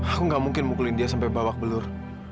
aku gak mungkin mukulin dia sampai bawah belur